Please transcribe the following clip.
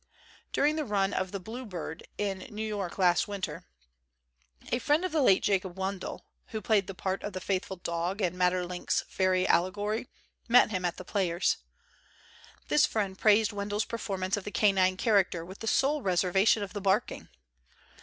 During the run of the 'Blue Bird' in New York last winter, a friend of the late Jacob Wendell (who played the part of the faithful Dog in Maeterlinck's fairy allegory) met him at The Players. This friend praised Wendell's performance of the canine character, with the sole reservation of the barking.